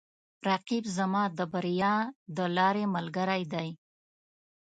رقیب زما د بریا د لارې ملګری دی